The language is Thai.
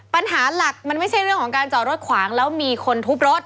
ปัญหาหลักมันไม่ใช่เรื่องของการจอดรถขวางแล้วมีคนทุบรถ